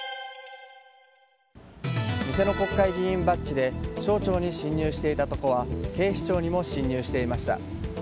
偽の国会議員バッジで省庁に侵入していた男は警視庁にも侵入していました。